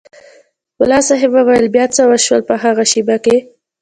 ملا صاحب وویل بیا څه وشول په هغې شېبه کې.